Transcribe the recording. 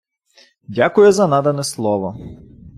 Дякую за надане слово!